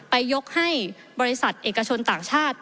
ยกให้บริษัทเอกชนต่างชาติ